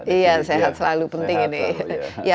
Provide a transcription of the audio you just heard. iya sehat selalu penting ini